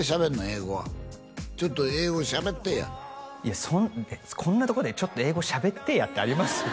英語はちょっと英語喋ってやこんなとこで「ちょっと英語喋ってや」ってあります？